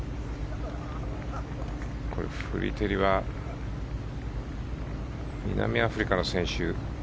フリテリは南アフリカの選手。